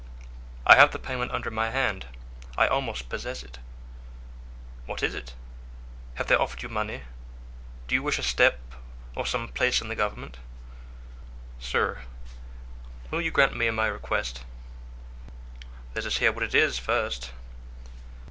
"I have the payment under my hand; I almost possess it." "What is it? Have they offered you money? Do you wish a step, or some place in the government?" "Sir, will you grant me my request?" "Let us hear what it is, first."